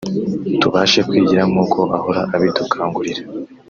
tubashe kwigira nk’uko ahora abidukangurira